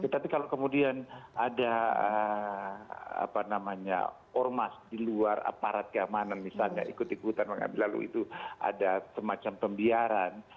tapi kalau kemudian ada ormas di luar aparat keamanan misalnya ikut ikutan mengambil lalu itu ada semacam pembiaran